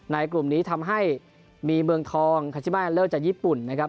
กลุ่มนี้ทำให้มีเมืองทองคาชิมาเลอร์จากญี่ปุ่นนะครับ